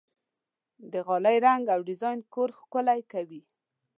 د غالۍ رنګ او ډیزاین کور ښکلی کوي.